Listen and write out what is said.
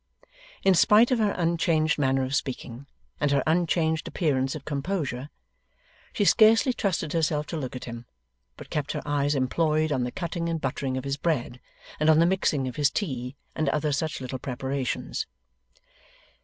In spite of her unchanged manner of speaking, and her unchanged appearance of composure, she scarcely trusted herself to look at him, but kept her eyes employed on the cutting and buttering of his bread, and on the mixing of his tea, and other such little preparations.